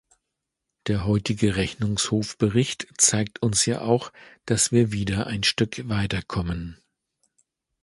Der heutige Rechnungshofbericht zeigt uns ja auch, dass wir wieder ein Stück weiterkommen.